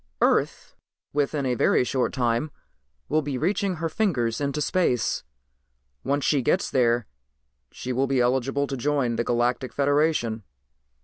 "Earth, within a very short time, will be reaching her fingers into space. Once she gets there she will be eligible to join the Galactic Federation."